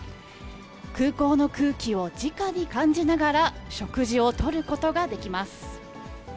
空港の空気をじかに感じながら、食事をとることができます。